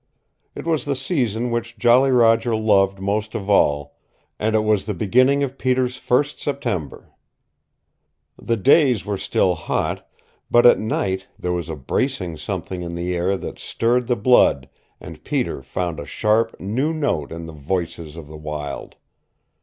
It was the season which Jolly Roger loved most of all, and it was the beginning of Peter's first September. The days were still hot, but at night there was a bracing something in the air that stirred the blood, and Peter found a sharp, new note in the voices of the wild.